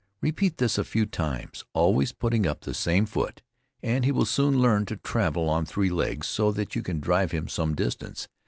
Repeat this a few times, always putting up the same foot, and he will soon learn to travel on three legs so that you can drive him some distance.